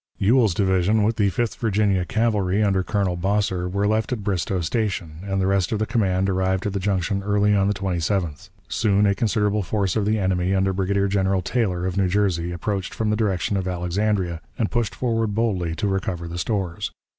Ewell's division, with the Fifth Virginia Cavalry under Colonel Bosser, were left at Bristoe Station, and the rest of the command arrived at the Junction early on the 27th. Soon a considerable force of the enemy, under Brigadier General Taylor, of New Jersey, approached from the direction of Alexandria, and pushed forward boldly to recover the stores.